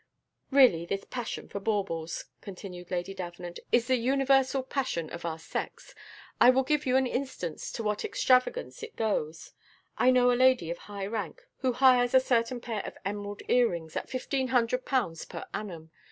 Really, this passion for baubles," continued Lady Davenant, "is the universal passion of our sex. I will give you an instance to what extravagance it goes. I know a lady of high rank, who hires a certain pair of emerald earrings at fifteen hundred pounds per annum.